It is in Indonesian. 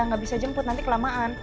nggak bisa jemput nanti kelamaan